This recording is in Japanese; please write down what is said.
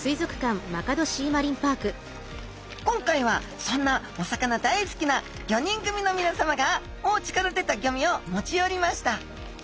今回はそんなお魚大好きな５人組のみなさまがおうちから出たゴミを持ち寄りました